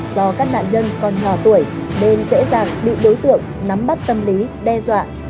do các nạn nhân còn nhỏ tuổi nên dễ dàng bị đối tượng nắm bắt tâm lý đe dọa